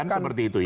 kan seperti itu ya